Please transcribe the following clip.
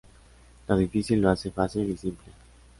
Lo difícil lo hace fácil y simple.